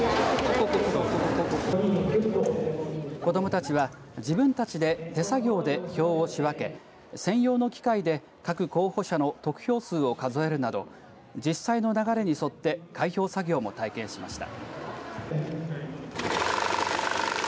子どもたちは自分たちで手作業で票を仕分け専用の機械で各候補者の得票数を数えるなど実際の流れに沿って開票作業も体験しました。